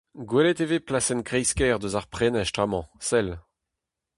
Gwelet e vez plasenn kreiz-kêr eus ar prenestr amañ, sell.